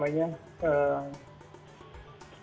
banyak yang mengikuti